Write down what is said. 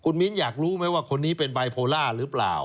มิ้นอยากรู้ไหมว่าคนนี้เป็นบายโพล่าหรือเปล่า